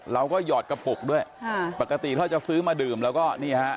หยอดกระปุกด้วยค่ะปกติถ้าจะซื้อมาดื่มแล้วก็นี่ฮะ